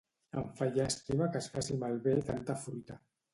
Em fa llàstima que es faci malbé tanta fruita